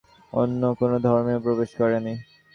অথচ আমার ধর্মে প্রবেশ করনি বা অন্য কোন ধর্মেও প্রবেশ করনি?